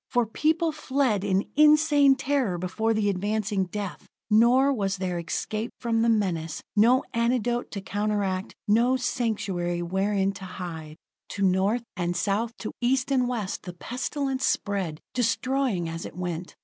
For people fled in insane terror before the advancing death. Nor was there escape from the menace no antidote to counteract, no sanctuary wherein to hide. To North and South, to East and West, the pestilence spread, destroying as it went.